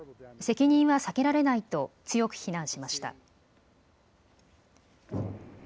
責任は避けられないと強く非難しました。